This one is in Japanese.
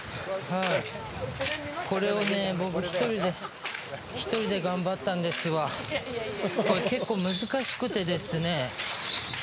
これを僕１人で頑張ったんですが結構難しくてですね